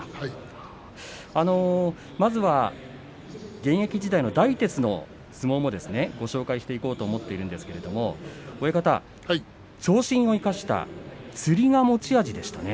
現役時代の大徹の相撲もご紹介していこうと思っているんですが親方は長身を生かしたつりが持ち味でしたね。